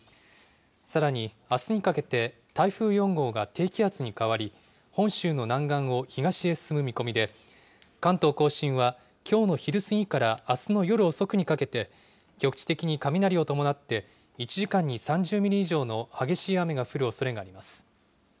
さらにあすにかけて、台風４号が低気圧に変わり、本州の南岸を東へ進む見込みで、関東甲信はきょうの昼過ぎからあすの夜遅くにかけて、局地的に雷を伴って１時間に３０ミリ以上の激しい雨が降るおそれがあります。